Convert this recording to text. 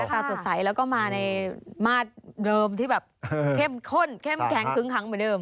ตาสดใสแล้วก็มาในมาตรเดิมที่แบบเข้มข้นเข้มแข็งคึ้งขังเหมือนเดิม